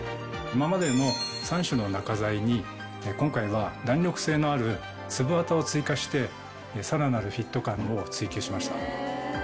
今までの３種の中材に今回は弾力性のある粒わたを追加してさらなるフィット感を追求しました。